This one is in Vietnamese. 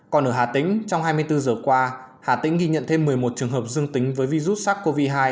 còn ở hà tĩnh trong hai mươi bốn giờ qua hà tĩnh ghi nhận thêm một mươi một trường hợp dương tính với virus sars cov hai